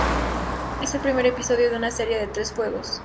Es el primer episodio de una serie de tres juegos.